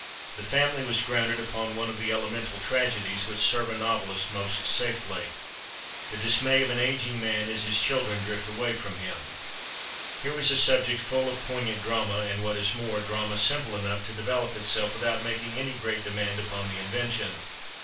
"The Family" was grounded upon one of the elemental tragedies which serve a novelist most safely—the dismay of an aging man as his children drift away from him. Here was a subject full of poignant drama, and what is more, drama simple enough to develop itself without making any great demand upon the invention.